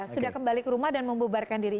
sudah kembali ke rumah dan membubarkan diri